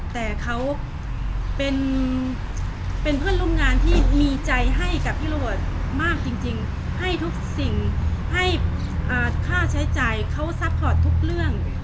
แต่เขาเป็นเพื่อนร่วมงานที่มีใจให้กับพี่โรเบิร์ตมากจริงให้ทุกสิ่งให้ค่าใช้จ่ายเขาซัพพอร์ตทุกเรื่อง